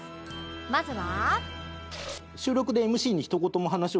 まずは